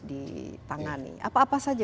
ditangani apa apa saja